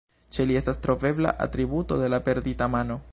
Ĉe li estas trovebla atributo de la perdita mano.